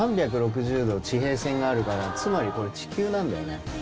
３６０度地平線があるからつまりこれ地球なんだよね。